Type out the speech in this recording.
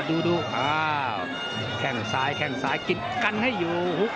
ดูครับแข้งซ้ายกินกันให้อยู่